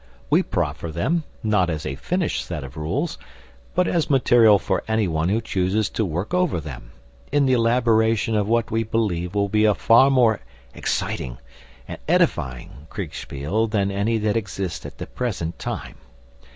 We proffer them, not as a finished set of rules, but as material for anyone who chooses to work over them, in the elaboration of what we believe will be a far more exciting and edifying Kriegspiel than any that exists at the present time.